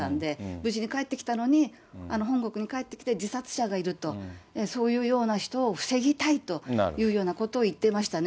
無事に帰ってきたのに、本国に帰ってきて自殺者がいると、そういうような人を防ぎたいというようなことを言ってましたね。